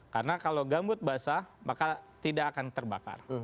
karena kalau gambut basah maka tidak akan terbakar